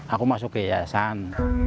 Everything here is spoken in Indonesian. aku masuk ke yayasan